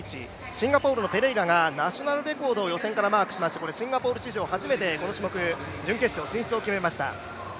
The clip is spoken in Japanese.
シンガポールのペレイラがナショナルコードを予選からマークしまして、シンガポール史上初めてこの種目、準決勝進出を決めました